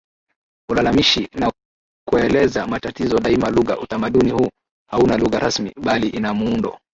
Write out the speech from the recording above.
ulalamishi na kueleza matatizo daima Lugha Utamaduni huu hauna lugha rasmi bali ina muundo